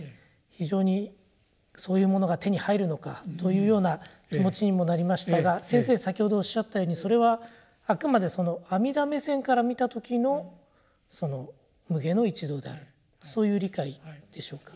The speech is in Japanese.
非常にそういうものが手に入るのかというような気持ちにもなりましたが先生先ほどおっしゃったようにそれはあくまでその阿弥陀目線から見た時のその「無礙の一道」であるそういう理解でしょうか？